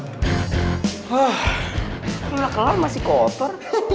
wah enggak kelam masih kotor